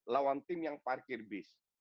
lawan tim yang parkir bis